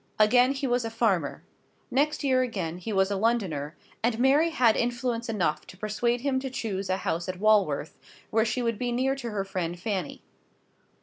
Again he was a farmer. Next year again he was a Londoner; and Mary had influence enough to persuade him to choose a house at Walworth, where she would be near to her friend Fanny.